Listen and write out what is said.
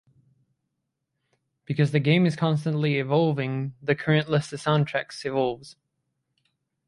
Because the game is constantly evolving, the current list of soundtracks evolves.